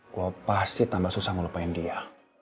gue pasti tambah susah ngulupain dia